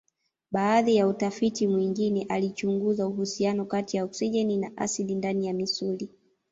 Baadhi ya utafiti mwingine alichunguza uhusiano kati ya oksijeni na asidi ndani ya misuli.